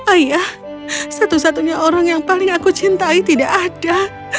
ayah satu satunya orang yang paling aku cintai tidak ada